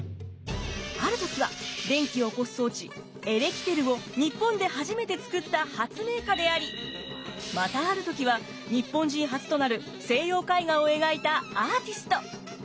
ある時は電気を起こす装置エレキテルを日本で初めて作った発明家でありまたある時は日本人初となる西洋絵画を描いたアーティスト。